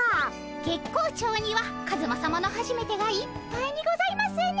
月光町にはカズマさまのはじめてがいっぱいにございますね。